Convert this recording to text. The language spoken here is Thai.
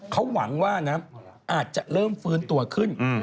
เขาหวังว่าน้ำอาจจะเริ่มฟื้นตัวขึ้น